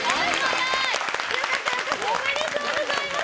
おめでとうございます！